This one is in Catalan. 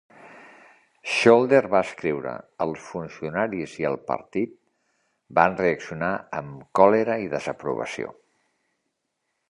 Scholder va escriure: els funcionaris i el partit van reaccionar amb còlera i desaprovació.